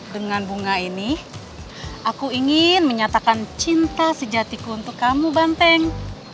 dengan bunga ini aku ingin menyatakan cinta sejatiku untuk kamu banteng